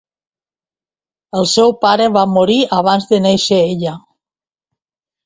El seu pare va morir abans de néixer ella.